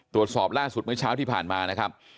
ตรวจสอบล่าสุดเมื่อเช้าที่ผ่านมานะครับ